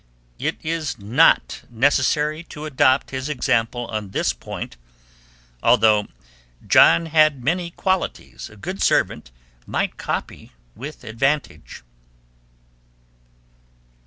It is not necessary to adopt his example on this point, although John had many qualities a good servant might copy with advantage.